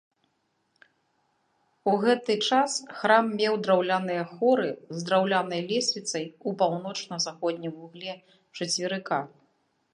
У гэты час храм меў драўляныя хоры з драўлянай лесвіцай у паўночна-заходнім вугле чацверыка.